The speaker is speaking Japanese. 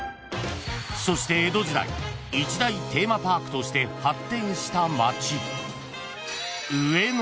［そして江戸時代一大テーマパークとして発展した街］